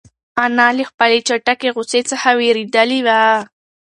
انا له خپلې چټکې غوسې څخه وېرېدلې وه.